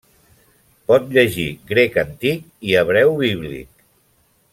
Pot llegir grec antic i hebreu bíblic.